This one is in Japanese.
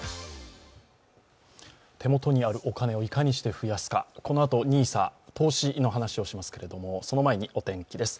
手元にあるお金をいかにして増やすか、このあと、ＮＩＳＡ、投資の話をしますけれどもその前に、お天気です。